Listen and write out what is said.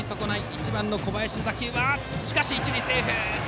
１番、小林の打球ですがしかし一塁セーフ！